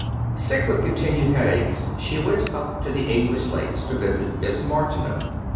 Sick with continued headaches, she went up to the English lakes to visit Miss Martineau.